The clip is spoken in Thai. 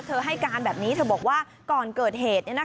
ให้การแบบนี้เธอบอกว่าก่อนเกิดเหตุ